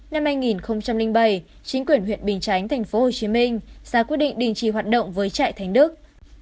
năm hai nghìn bảy chính quyền huyện bình chánh tp hcm ra quyết định đình chỉ hoạt động với trại thánh đức